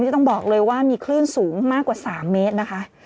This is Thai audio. ต้องบอกเลยว่ามีคลื่นสูงมากกว่า๓เมตรนะคะ